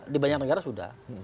di banyak negara sudah